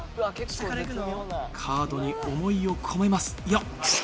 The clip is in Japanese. カードに思いを込めますいや。